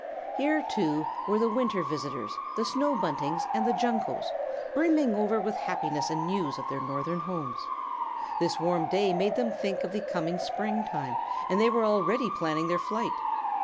Here, too, were the winter visitors, the Snow Buntings and the Juncos, brimming over with happiness and news of their northern homes. This warm day made them think of the coming springtime, and they were already planning their flight.